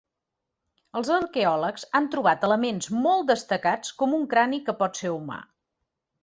Els arqueòlegs han trobat elements molts destacats com un crani que pot ser humà.